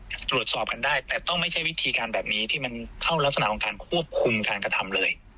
จะตรวจสอบกันได้แต่ต้องไม่ใช่วิธีการแบบนี้ที่มันเข้ารักษณะของการควบคุมการกระทำเลย